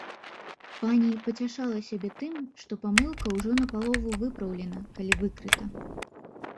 Пані пацяшала сябе тым, што памылка ўжо напалову выпраўлена, калі выкрыта.